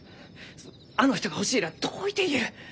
あの人が欲しいらあどういて言える？